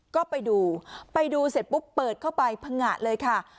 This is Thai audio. ก็ไปดูไปดูเสร็จปุ๊บเปิดเข้าไปพังงะเลยค่ะ